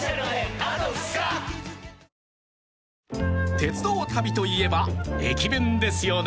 ［鉄道旅といえば駅弁ですよね］